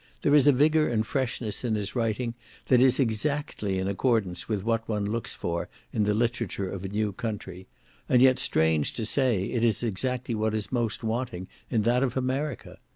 There is a vigor and freshness in his writing that is exactly in accordance with what one looks for, in the literature of a new country; and yet, strange to say, it is exactly what is most wanting in that of America.